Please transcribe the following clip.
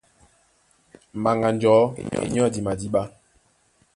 Mbaŋga njɔ̌ e nyɔ́di madíɓá.